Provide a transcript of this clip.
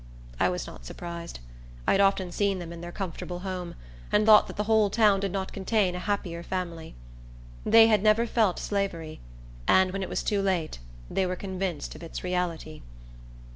I was not surprised. I had often seen them in their comfortable home, and thought that the whole town did not contain a happier family. They had never felt slavery; and, when it was too late, they were convinced of its reality.